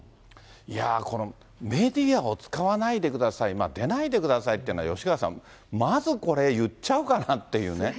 いや、このメディアを使わないでください、出ないでくださいっていうのは、吉川さん、まずこれ、言っちゃうかなっていうね。